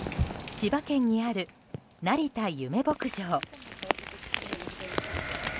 千葉県にある成田ゆめ牧場。